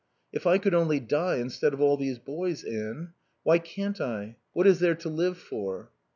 If I could only die instead of all these boys, Anne. Why can't I? What is there to live for?"